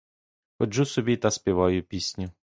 Ходжу собі та співаю пісню.